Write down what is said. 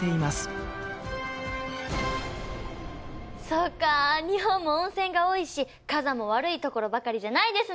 そうか日本も温泉が多いし火山も悪いところばかりじゃないですね。